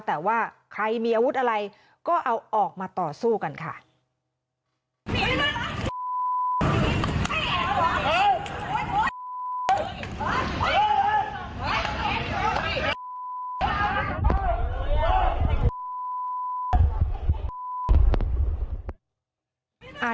แต่ว่าใครมีอาวุธอะไรก็เอาออกมาต่อสู้กันค่ะ